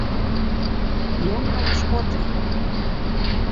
— Йоҥылыш от лий!»